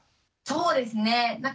そうですね。